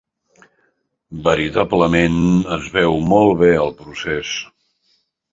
Veritablement es veu molt bé el procés.